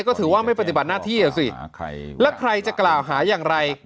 ก็ถือว่าไม่ปฏิบัติหน้าที่อ่ะสิแล้วใครจะกล่าวหาอย่างไร